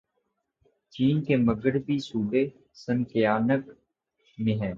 چین کے مغربی صوبے سنکیانگ میں ہے